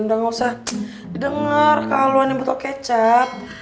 enggak usah dengar kalau ini botol kecap